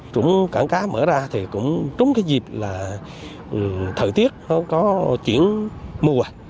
trúng cảng cá mở ra thì cũng trúng cái dịp là thời tiết có chuyển mưa